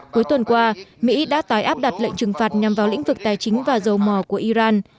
cuối tuần qua mỹ đã tái áp đặt lệnh trừng phạt nhằm vào lĩnh vực tài chính và dầu mỏ của iran